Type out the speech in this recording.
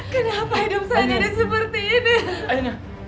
kenapa hidup saya jadi seperti ini